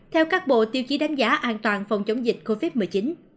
theo các bộ tiêu chí đánh giá an toàn phòng chống dịch covid một mươi chín